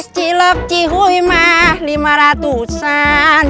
jelok jihul lima ratusan